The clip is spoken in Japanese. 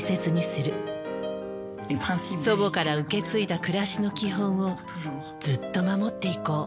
祖母から受け継いだ暮らしの基本をずっと守っていこう。